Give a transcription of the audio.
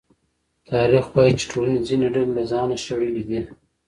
تاریخ وايي چې ټولنې ځینې ډلې له ځانه شړلې دي.